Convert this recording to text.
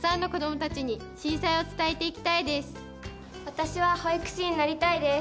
私は保育士になりたいです。